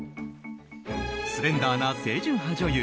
スレンダーな清純派女優